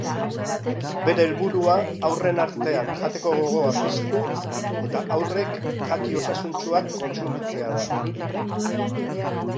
Bere helburua haurren artean jateko gogoa piztu eta haurrek jaki osasuntsuak kontsumitzea da.